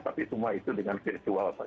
tapi semua itu dengan virtual pak